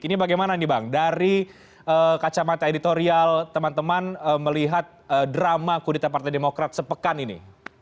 ini bagaimana nih bang dari kacamata editorial teman teman melihat drama kudita partai demokrat sepekan ini